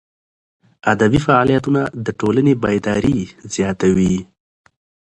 ادبي فعالیتونه د ټولني بیداري زیاتوي.